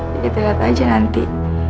ya tegak aja nanti